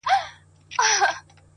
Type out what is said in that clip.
گراني رڼا مه كوه مړ به مي كړې ـ